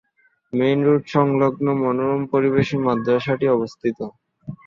Main road সংলগ্ন মনোরম পরিবেশে মাদ্রাসাটি অবস্থিত।